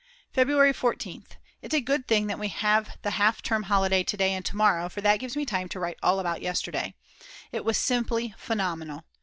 February 14th. It's a good thing that we have the half term holiday to day and to morrow for that gives me time to write all about yesterday. It was simply phenomenal!